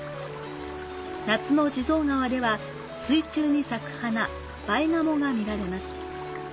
夏の地蔵川では、水中に咲く花、梅花藻が見られます。